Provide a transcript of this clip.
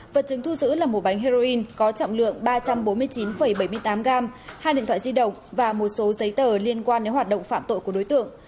vật chứng thu giữ là một bánh heroin có trọng lượng ba trăm bốn mươi chín bảy mươi tám gram hai điện thoại di động và một số giấy tờ liên quan đến hoạt động phạm tội của đối tượng